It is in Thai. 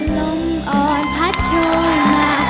ลงอ่อนพัดชนมา